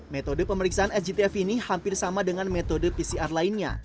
metode pemeriksaan sgtf ini hampir sama dengan metode pcr lainnya